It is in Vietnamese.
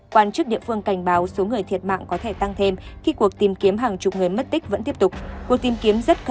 quan chức địa phương cảnh báo số người thiệt mạng có thể tăng thêm khi cuộc tìm kiếm hàng chục người mất tích vẫn tiếp tục